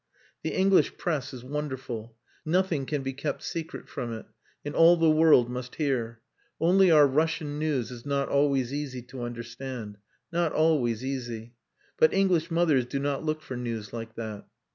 "The English press is wonderful. Nothing can be kept secret from it, and all the world must hear. Only our Russian news is not always easy to understand. Not always easy.... But English mothers do not look for news like that...."